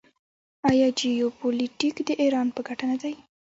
آیا جیوپولیټیک د ایران په ګټه نه دی؟